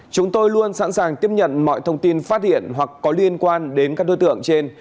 chúng tôi luôn sẵn sàng tiếp nhận mọi thông tin phát hiện hoặc có liên quan đến các đối tượng trên